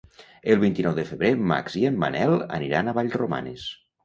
El vint-i-nou de febrer en Max i en Manel aniran a Vallromanes.